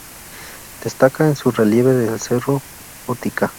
Destaca en su relieve el cerro Botica.